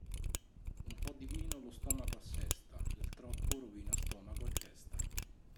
Un po' di vino lo stomaco assesta, il troppo rovina stomaco e testa.